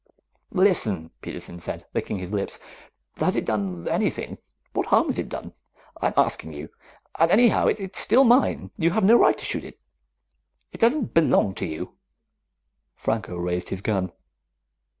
"Listen," Peterson said, licking his lips. "Has it done anything? What harm has it done? I'm asking you. And anyhow, it's still mine. You have no right to shoot it. It doesn't belong to you." Franco raised his gun.